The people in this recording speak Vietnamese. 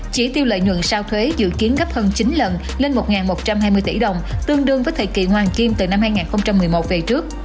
chỉ tiêu lợi nhuận sau thuế dự kiến gấp hơn chín lần lên một một trăm hai mươi tỷ đồng tương đương với thời kỳ hoàng kim từ năm hai nghìn một mươi một về trước